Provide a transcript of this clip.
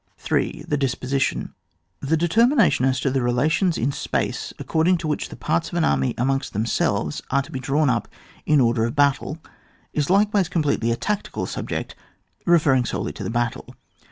3. — The Disposition, The determination as to the relations in space, according to which the parts of an aiTdy amongst themselves are to be drawn up in order of battle, is likewise completely a tactical subject, referring^ solely to the battle.